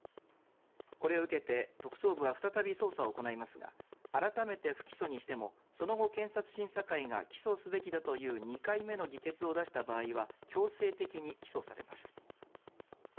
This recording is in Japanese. これを受けて特捜部は再び捜査を行いますが改めて不起訴にしてもその後検察審査会が起訴すべきだという２回目の議決を出した場合は強制的に起訴されます。